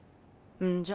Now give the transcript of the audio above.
んじゃ。